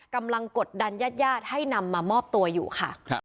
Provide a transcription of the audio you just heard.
กำลังกดดันยาดให้นำมามอบตัวอยู่ค่ะ